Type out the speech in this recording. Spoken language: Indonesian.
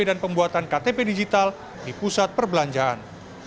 dan pembuatan ktp digital di pusat perbelanjaan